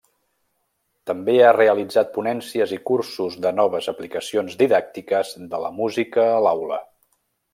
També ha realitzat ponències i cursos de noves aplicacions didàctiques de la música a l'aula.